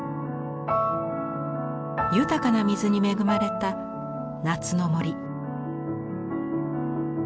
豊かな水に恵まれた夏の森。